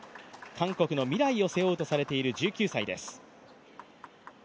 韓国の未来を背負うとされている１９歳です。